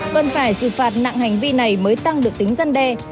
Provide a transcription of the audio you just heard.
cần phải xử phạt nặng hành vi này mới tăng được tính dân đe